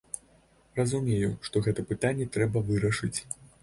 Разумею, што гэта пытанне трэба вырашаць.